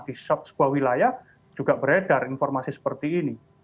di sebuah wilayah juga beredar informasi seperti ini